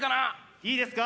いいですか？